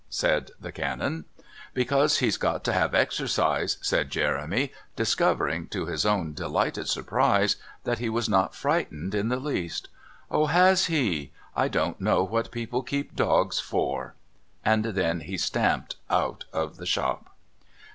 said the Canon. "Because he's got to have exercise," said Jeremy, discovering, to his own delighted surprise, that he was not frightened in the least. "Oh, has he? I don't know what people keep dogs for." And then he stamped out of the shop.